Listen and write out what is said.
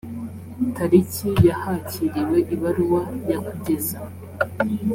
tariki ya hakiriwe ibaruwa ya kugeza